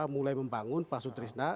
mulai membangun pasutrisna